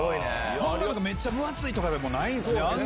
めっちゃ分厚いとかでもないんすね。